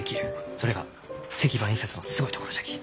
それが石版印刷のすごいところじゃき。